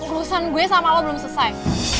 urusan gue sama lo belum selesai